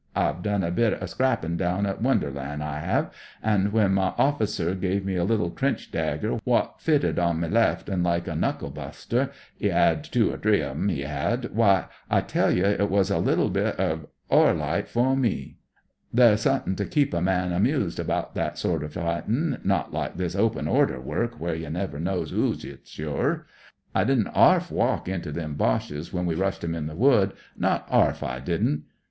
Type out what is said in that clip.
I've done a bit er scrappin' down at Wonderland, I *ave, an' when my orftcer give me a Utile trench dagger, wot fitted on me left 'and like a knucklc dust^ 'e 'ad two er three of 'em, 'e 'ad— wy, I tell you, it was a Utile bit uv oilright fer me. " There's suthin' to keep a man amused abaht that sorter fightmg. Not Ukc this op«i oMer work, where you never knows 'oo 'its yer. I didn't arf walk into them Boches when we rushed 'em in the Wood ; not arf, I didn't.